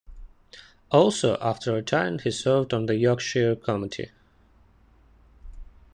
Also after retiring he served on the Yorkshire committee.